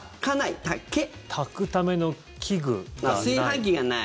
炊くための器具がない。